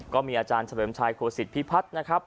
ก็มีอาจารย์เตลียมชายครัวศิษย์พิพัฒน์นะครับ